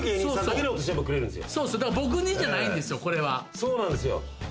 そうなんですよ。